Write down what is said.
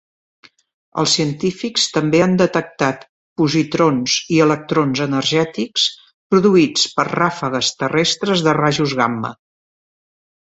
Els científics també han detectat positrons i electrons energètics produïts per ràfegues terrestres de rajos gamma.